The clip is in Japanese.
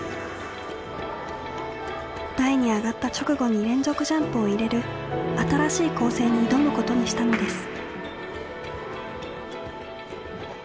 台に上がった直後に連続ジャンプを入れる新しい構成に挑むことにしたのです。